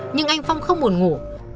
nhưng anh phong không buồn ngủ